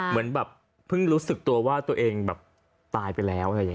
เหมือนแบบเพิ่งรู้สึกตัวว่าตัวเองตายไปแล้ว